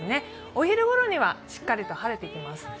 お昼ごろにはしっかりと晴れてきます。